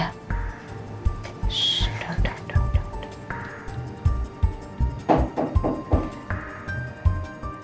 sudah udah udah